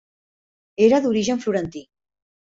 Era d'origen florentí.